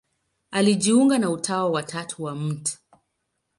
Alijiunga na Utawa wa Tatu wa Mt.